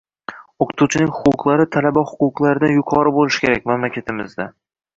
O'qituvchining huquqlari talaba huquqlaridan yuqori bo'lishi kerak Mamlakatimizda